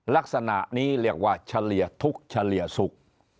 ลักษณะนี้เรียกว่าเฉลี่ยทุกข์เฉลี่ยสุข